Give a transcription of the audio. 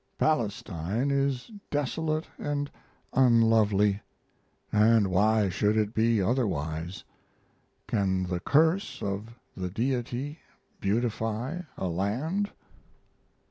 Palestine is desolate and unlovely. And why should it be otherwise? Can the curse of the Deity beautify a land?